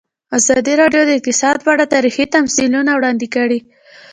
ازادي راډیو د اقتصاد په اړه تاریخي تمثیلونه وړاندې کړي.